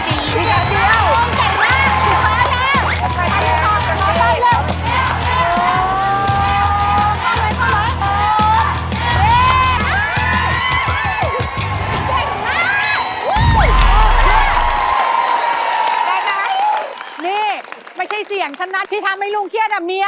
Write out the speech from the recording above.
นี่ไงนี่ไม่ใช่เสียงฉันนัดที่ทำให้ลุงเครียดอ่ะเมีย